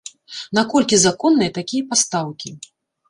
Наколькі законныя такія пастаўкі?